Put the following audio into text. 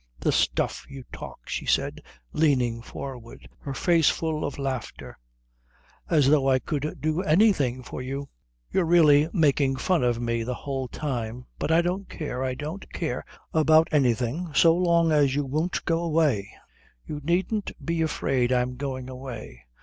"The stuff you talk!" she said, leaning forward, her face full of laughter. "As though I could do anything for you! You're really making fun of me the whole time. But I don't care. I don't care about anything so long as you won't go away." "You needn't be afraid I'm going away.